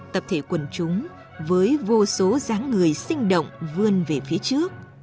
tập thể quần chúng với vô số ráng người sinh động vươn về phía trước